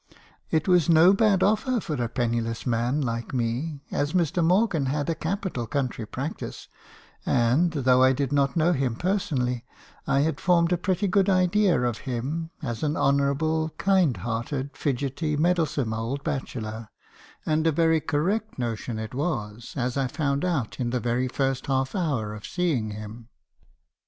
It was no bad offer for a penniless man like me, as Mr. Morgan had a capital country practice , and, though I did not know him personally, I had formed a pretty good idea of him, as an honourable, kind hearted, fidgetty, meddlesome old bachelor; and a very correct notion it was, as I found out in the very first half hour of seeing him.